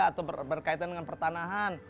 atau berkaitan dengan pertanahan